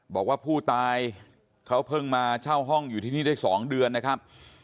บอกว่าผู้ตายเขาเพิ่งมาเช่าห้องอยู่ที่นี่ได้๒เดือนนะครับ